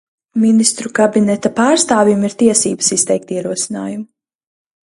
Ministru kabineta pārstāvim ir tiesības izteikt ierosinājumu.